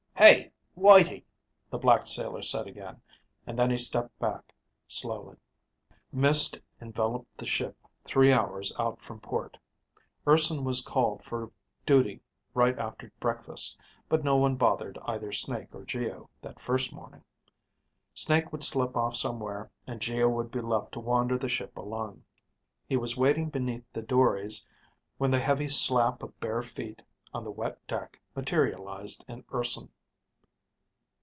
"Hey, Whitey," the black sailor said again, and then he stepped back, slowly. Mist enveloped the ship three hours out from port. Urson was called for duty right after breakfast, but no one bothered either Snake or Geo that first morning. Snake would slip off somewhere and Geo would be left to wander the ship alone. He was walking beneath the dories when the heavy slap of bare feet on the wet deck materialized in Urson.